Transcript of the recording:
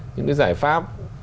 những cái giải pháp